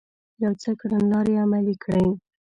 يو څه کړنلارې عملي کړې